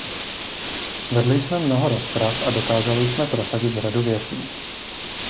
Vedli jsme mnoho rozprav a dokázali jsme prosadit řadu věcí.